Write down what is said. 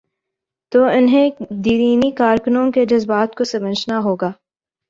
تو انہیں دیرینہ کارکنوں کے جذبات کو سمجھنا ہو گا۔